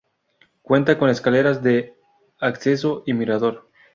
Cuenta con escaleras de acceso y mirador.